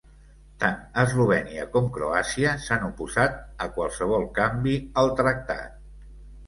Tant Eslovènia com Croàcia s'han oposat a qualsevol canvi al tractat.